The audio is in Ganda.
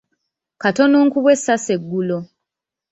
Katono nkubwe essasi eggulo.